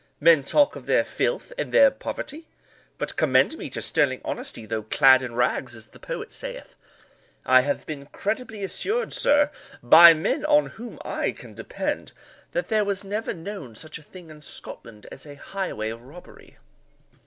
Men talk of their filth and their poverty: but commend me to sterling honesty, though clad in rags, as the poet saith. I have been credibly assured, sir, by men on whom I can depend, that there was never known such a thing in Scotland as a highway robbery."